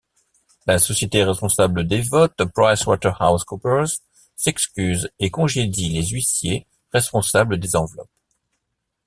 La société responsable des votes, PricewaterhouseCoopers s'excuse et congédie les huissiers responsables des enveloppes.